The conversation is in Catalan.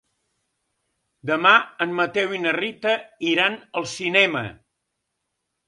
Demà en Mateu i na Rita iran al cinema.